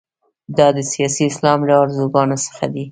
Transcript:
دا د سیاسي اسلام له ارزوګانو څخه دي.